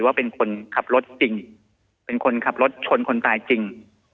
ว่าเป็นคนขับรถจริงเป็นคนขับรถชนคนตายจริง